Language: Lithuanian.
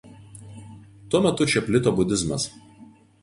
Tuo metu čia plito budizmas.